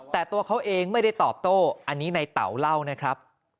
แต่ตัวเขาเองไม่ได้ตอบโต้อันนี้ในเต๋าเล่านะครับ